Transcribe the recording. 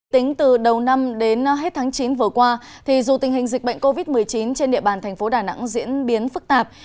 tính từ đầu năm đến hết tháng chín vừa qua dù tình hình dịch bệnh covid một mươi chín trên địa bàn thành phố đà nẵng diễn biến phức tạp